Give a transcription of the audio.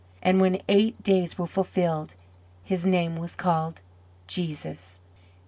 And when eight days were fulfilled his name was called JESUS V.